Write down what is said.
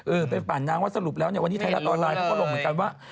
เออไปปั่นนางว่าสรุปแล้วเนี่ยวันนี้ไทยรัฐออนไลน์เขาก็ลงเหมือนกันว่า